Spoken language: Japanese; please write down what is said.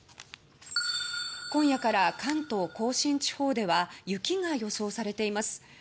今夜から関東・甲信地方では雪が予想されています。